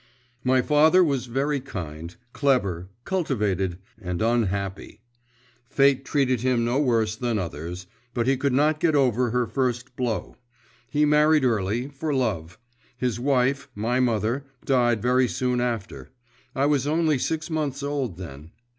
'My father was very kind, clever, cultivated, and unhappy. Fate treated him no worse than others; but he could not get over her first blow. He married early, for love; his wife, my mother, died very soon after; I was only six months old then.